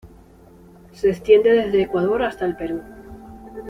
Se extiende desde Ecuador hasta el Perú.